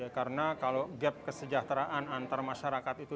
karena kalau gap kesejahteraan antar masyarakat itu